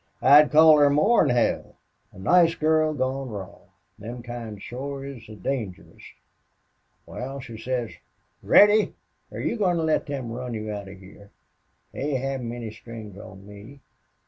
I'd call her more 'n hell. A nice girl gone wrong. Them kind shore is the dangerest.... Wal, she says: 'Reddy, are you goin' to let them run you out of heah? They haven't any strings on me.